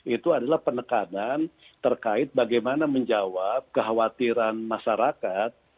itu adalah penekanan terkait bagaimana menjawab kekhawatiran masyarakat